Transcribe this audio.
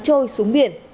trôi xuống biển